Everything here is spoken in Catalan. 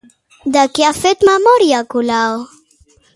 De què ha fet memòria Colau?